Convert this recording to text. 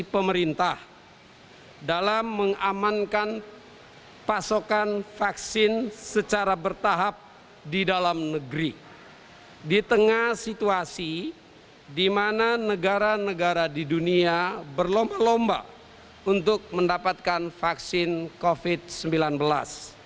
pemerintah yang mengamankan pasokan vaksin covid sembilan belas yang menjadi rebutan banyak negara